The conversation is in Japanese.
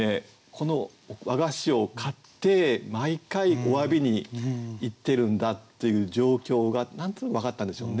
この和菓子を買って毎回おわびに行ってるんだという状況が何となく分かったんでしょうね。